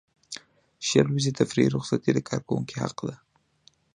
شل ورځې تفریحي رخصتۍ د کارکوونکي حق دی.